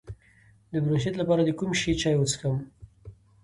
د برونشیت لپاره د کوم شي چای وڅښم؟